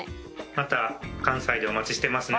また関西でお待ちしてますね。